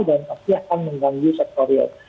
dan pasti akan mengganggu sektor real